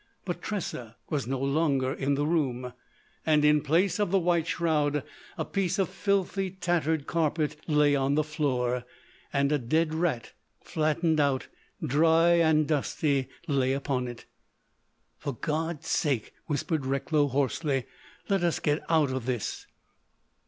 But Tressa was no longer in the room. And in place of the white shroud a piece of filthy tattered carpet lay on the floor. And a dead rat, flattened out, dry and dusty, lay upon it. "For God's sake," whispered Recklow hoarsely, "let us get out of this!"